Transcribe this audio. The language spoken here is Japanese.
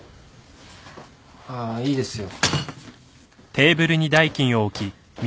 ああいいですよ。